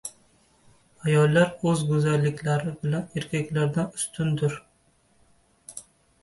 • Ayollar o‘z go‘zalliklari bilan erkaklardan ustundir